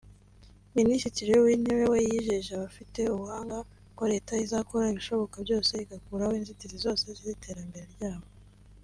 Minisitiri w’Intebe we yijeje abafite ubumuga ko Leta izakora ibishoboka byose igakuraho inzitizi zose z’iterambere ryabo